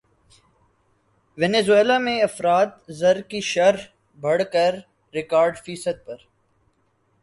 Venezuela میں افراط زر کی شرح بڑھ کر ریکارڈ فیصد پر